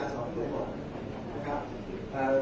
แต่ว่าไม่มีปรากฏว่าถ้าเกิดคนให้ยาที่๓๑